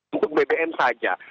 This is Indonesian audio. untuk bbm saja